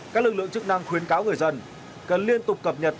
các lực lượng chức năng khuyến cáo người dân cần liên tục cập nhật